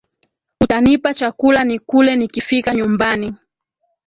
Utanipa chakula nikule nikifika nyumbani